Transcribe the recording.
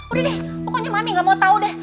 udah deh pokoknya mami gak mau tahu deh